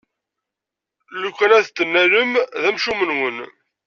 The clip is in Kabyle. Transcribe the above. Lukan ad t-tennalem, d amcum-nwen!